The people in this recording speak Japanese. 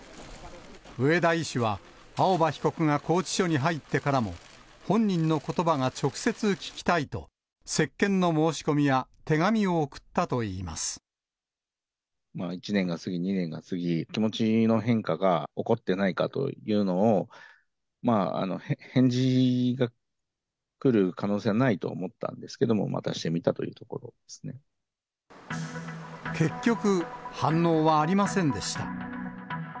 上田医師は、青葉被告が拘置所に入ってからも、本人のことばが直接聞きたいと、接見の申し込みや、１年が過ぎ、２年が過ぎ、気持ちの変化が起こってないかというのを、返事が来る可能性はないと思ったんですけども、出してみたという結局、反応はありませんでした。